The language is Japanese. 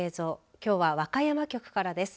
きょうは和歌山局からです。